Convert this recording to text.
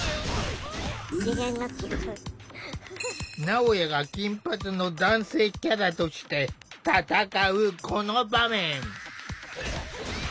なおやが金髪の男性キャラとして戦うこの場面。